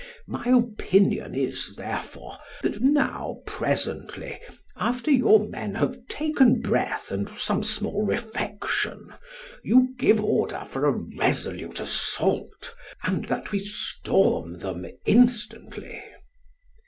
My opinion is, therefore, that now presently, after your men have taken breath and some small refection, you give order for a resolute assault, and that we storm them instantly.